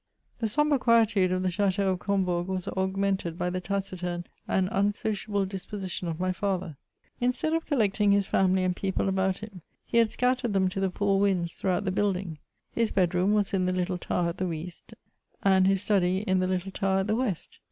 The sombre quietude of the Chateau of Combourg was augmented by the taciturn and unsociable disposition of my father. Instead of collecting his family and people about him, he had scattered them to the four winds throughout the building. His bedroom was in the little tower at the east, and his study in the little tower at the west.